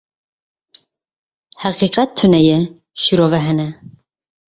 Heqîqet tune ye, şîrove hene.